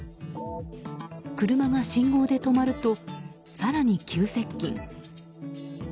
車が信号で止まると更に急接近。